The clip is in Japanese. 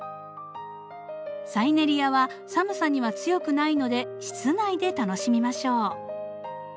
サイネリアは寒さには強くないので室内で楽しみましょう。